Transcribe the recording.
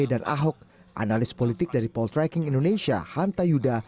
dan ahok analis politik dari poltracking indonesia hanta yuda